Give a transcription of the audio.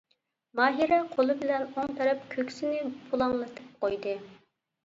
ماھىرە قولى بىلەن ئوڭ تەرەپ كۆكسىنى پۇلاڭلىتىپ قويدى.